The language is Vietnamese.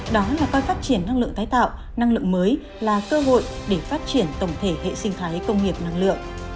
đó là coi phát triển năng lượng tái tạo năng lượng mới là cơ hội để phát triển tổng thể hệ sinh thái công nghiệp năng lượng